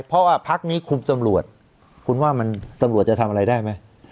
เพราะว่าพักนี้คุมตำรวจคุณว่ามันตำรวจจะทำอะไรได้ไหม